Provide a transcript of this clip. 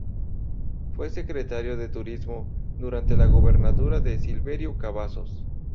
Fue secretario de Turismo durante la gubernatura de Silverio Cavazos.